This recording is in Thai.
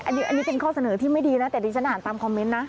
อันนี้เป็นข้อเสนอที่ไม่ดีนะแต่ดิฉันอ่านตามคอมเมนต์นะ